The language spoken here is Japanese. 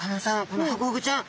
このハコフグちゃん